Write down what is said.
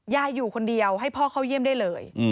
อยู่คนเดียวให้พ่อเข้าเยี่ยมได้เลย